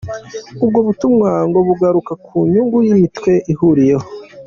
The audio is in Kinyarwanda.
Ubwo butumwa ngo bugaruka ku nyungu iyi mitwe ihuriyeho.